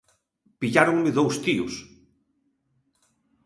Pilláronme dous tíos.